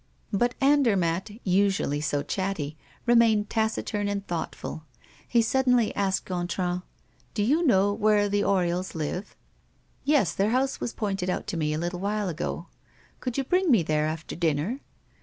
But Andermatt, usually so chatty, remained taciturn and thoughtful. He suddenly asked Gontran: "Do you know where the Oriols live?" "Yes, their house was pointed out to me a little while ago." "Could you bring me there after dinner?"